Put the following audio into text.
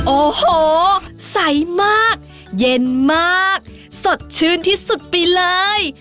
โอ้โหใสมากเย็นมากสดชื่นที่สุดไปเลย